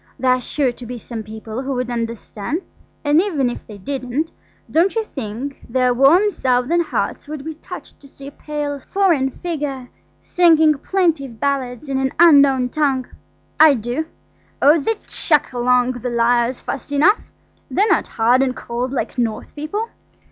There are sure to be some people who would understand. And if they didn't, don't you think their warm Southern hearts would be touched to see a pale, slender, foreign figure singing plaintive ballads in an unknown tongue? I do. Oh! they'd chuck along the lyres fast enough–they're not hard and cold like North people.